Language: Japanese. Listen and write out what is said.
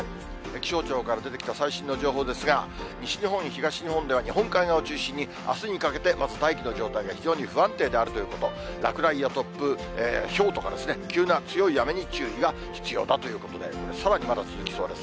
気象庁から出てきた最新の情報ですが、西日本、東日本では日本海側を中心に、あすにかけて、まず大気の状態が非常に不安定であるということ、落雷や突風、ひょうとか、急な強い雨に注意が必要だということで、これ、さらにまだ続きそうです。